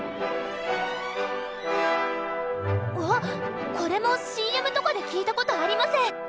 あっこれもＣＭとかで聴いたことあります！